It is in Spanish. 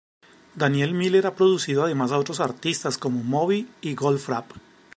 Daniel Miller ha producido además a otros artistas como Moby y Goldfrapp.